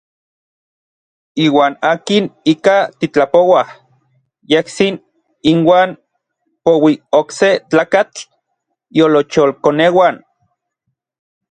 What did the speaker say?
Iuan akin ika titlapouaj, yejtsin inuan poui okse tlakatl iolocholkoneuan.